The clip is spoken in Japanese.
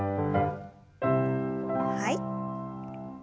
はい。